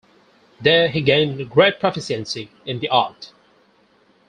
There he gained great proficiency in the art.